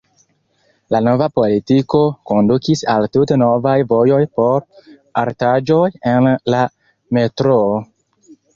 La nova politiko kondukis al tute novaj vojoj por artaĵoj en la metroo.